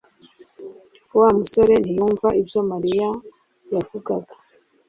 Wa musore ntiyumva ibyo Mariya yavugaga